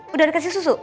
udah dikasih susu